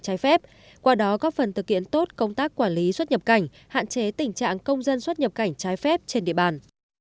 trái phép qua đó góp phần thực hiện tốt công tác quản lý xuất nhập cảnh hạn chế tình trạng công dân xuất nhập cảnh trái phép trên địa bàn